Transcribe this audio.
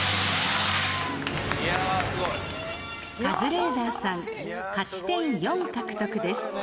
カズレーザーさん勝ち点４獲得です。